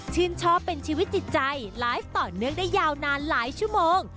ชอบเป็นชีวิตจิตใจไลฟ์ต่อเนื่องได้ยาวนานหลายชั่วโมง